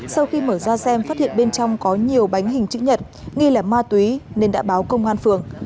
sau khi mở ra xem phát hiện bên trong có nhiều bánh hình chữ nhật nghi là ma túy nên đã báo công an phường